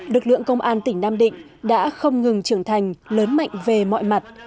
lực lượng công an tỉnh nam định đã không ngừng trưởng thành lớn mạnh về mọi mặt